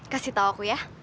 kasih tau aku ya